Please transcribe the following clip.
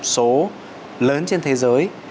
số lớn trên thế giới